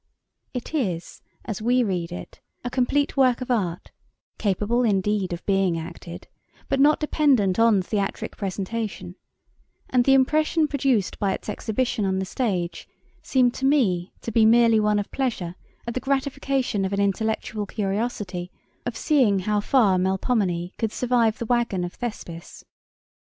It is, as we read it, a complete work of art capable, indeed, of being acted, but not dependent on theatric presentation; and the impression produced by its exhibition on the stage seemed to me to be merely one of pleasure at the gratification of an intellectual curiosity of seeing how far Melpomene could survive the wagon of Thespis.